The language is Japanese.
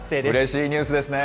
うれしいニュースですね。